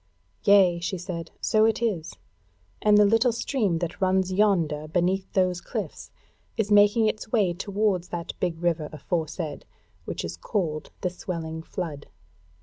"Yea," she said, "so it is, and the little stream that runs yonder beneath those cliffs, is making its way towards that big river aforesaid, which is called the Swelling Flood.